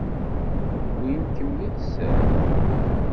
Wwin-kem yid-sen?